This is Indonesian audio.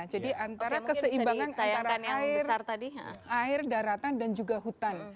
jadi antara keseimbangan antara air daratan dan juga hutan